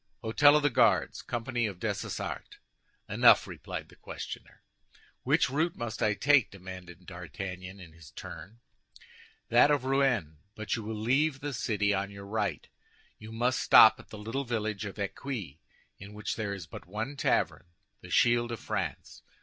"Hôtel of the Guards, company of Dessessart." "Enough," replied the questioner. "Which route must I take?" demanded D'Artagnan, in his turn. "That of Rouen; but you will leave the city on your right. You must stop at the little village of Eccuis, in which there is but one tavern—the Shield of France.